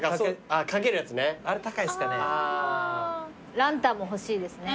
ランタンも欲しいですね。